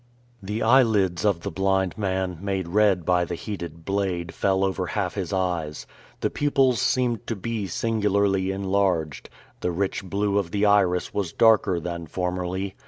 The eyelids of the blind man, made red by the heated blade, fell half over his eyes. The pupils seemed to be singularly enlarged. The rich blue of the iris was darker than formerly.